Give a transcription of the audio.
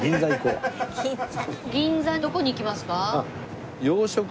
どこに行きますか？